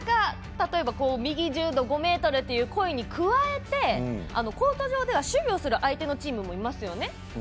例えば「右１０度、５ｍ！」とか声に加えて、コート上では守備をする相手のチームいますよね。